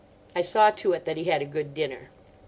I saw to it that he had a good dinner.